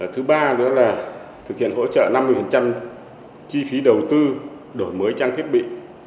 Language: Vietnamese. thứ ba nữa là thực hiện hỗ trợ năm mươi chi phí đầu tư đổi mới trang thiết bị